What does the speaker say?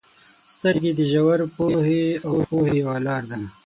• سترګې د ژور پوهې او پوهې یوه لاره ده.